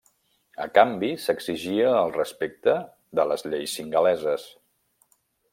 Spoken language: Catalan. A canvi s'exigia el respecte de les lleis singaleses.